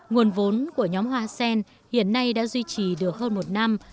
nguồn vốn của nhóm hoa sen hiện nay đã duy trì được hơn một năm